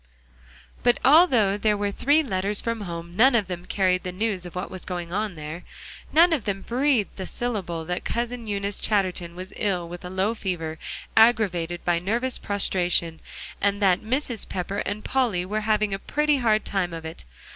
But although there were three letters from home, none of them carried the news of what was going on there. None of them breathed a syllable that Cousin Eunice Chatterton was ill with a low fever, aggravated by nervous prostration; and that Mrs. Pepper and Polly were having a pretty hard time of it.